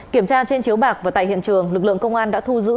kiểm tra trên chiếu bạc và tại hiện trường lực lượng công an đã thu giữ